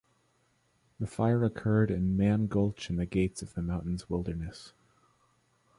The fire occurred in Mann Gulch in the Gates of the Mountains Wilderness.